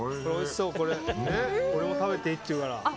俺も食べていいっていうから。